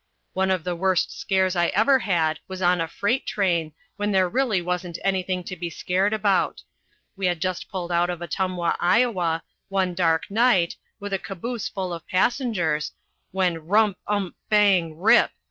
"One of the worst scares I ever had was on a freight train when there really wasn't anything to be scared about. We had just pulled out of Ottumwa, Iowa, one dark night, with a caboose full of passengers, when rump ump bang rip!